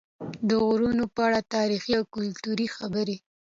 د غرونو په اړه تاریخي او کلتوري خبرې